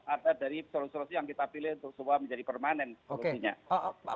ada dari solusi solusi yang kita pilih untuk semua menjadi permanen solusinya